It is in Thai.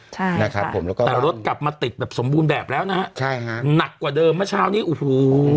ใช่ค่ะแต่รถกลับมาติดแบบสมบูรณ์แบบแล้วนะฮะหนักกว่าเดิมมันเช้านี้โอ้โฮ